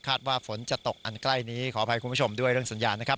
ว่าฝนจะตกอันใกล้นี้ขออภัยคุณผู้ชมด้วยเรื่องสัญญานะครับ